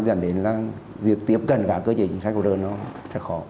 dẫn đến là việc tiếp cận cả cơ chế chính sách của đơn nó sẽ khó